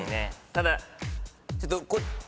ただちょっと。